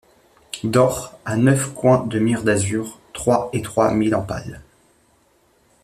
D'or, à neuf coins de mire d'azur, trois et trois, mis en pal.